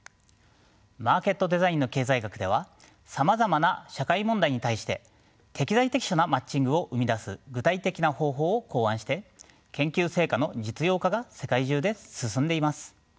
マーケットデザインの経済学ではさまざまな社会問題に対して適材適所なマッチングを生み出す具体的な方法を考案して研究成果の実用化が世界中で進んでいます。